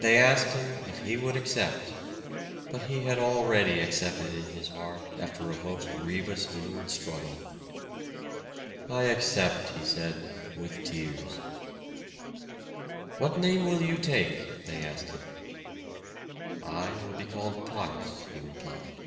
They asked him if he would accept, but he had already accepted in his heart after a most grievous inward struggle. "I accept," he said, with tears. "What name will you take?" they asked him. "I will be called Pius," he replied.